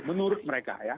menurut mereka ya